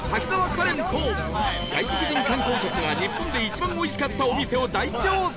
カレンと外国人観光客が日本で一番美味しかったお店を大調査！